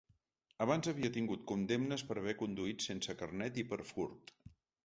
Abans havia tingut condemnes per haver conduït sense carnet i per furt.